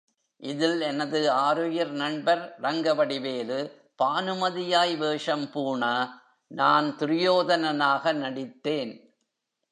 இதில் எனது ஆருயிர் நண்பர் ரங்கவடிவேலு, பானுமதியாய் வேஷம் பூண, நான் துரியோதனனாக நடித்தேன்.